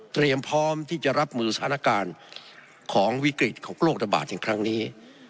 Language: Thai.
เตรียมพร้อมที่จะรับมือสถานการณ์ของวิกฤตของโรคระบาดในครั้งนี้